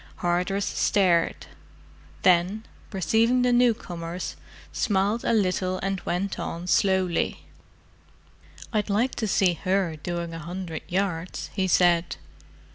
Hardress stared: then, perceiving the newcomers, smiled a little and went on slowly. "I'd like to see her doing a hundred yards!" he said.